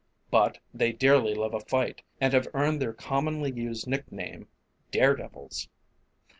But they dearly love a fight, and have earned their commonly used nick name "Dare devils."